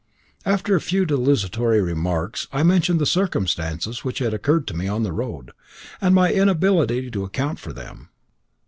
After a few desultory remarks, I mentioned the circumstances which had occurred to me on the road, and my inability to account for them.